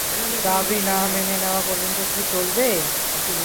দাবি না মেনে নেওয়া পর্যন্ত কি চলবে?